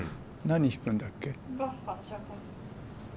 何弾くんだっけ？